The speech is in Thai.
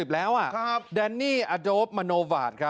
๗๐แล้วอ่ะกับเดนนี่อดูแลมันโบราช